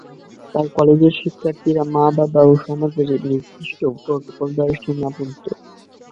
Sir, কলেজের শিক্ষার্থীরা মা-বাবা ও সমাজের নির্দিষ্ট প্রটোকল দ্বারা সীমাবদ্ধ।